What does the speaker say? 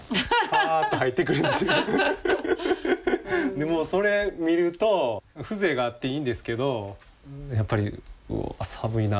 でもそれ見ると風情があっていいんですけどやっぱり寒いなぁって。